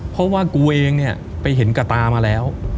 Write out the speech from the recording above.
เพราะว่ากูเองเนี่ยไปเห็นกระตามาแล้ว